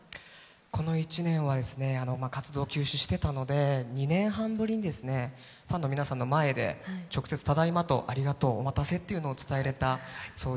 この１年は活動休止していたので、２年半ぶりにファンの皆さんの前で直接、ただいま、お待たせ、ありがとうを言えました。